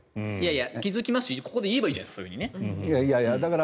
気付くし、ここで言えばいいじゃないですか。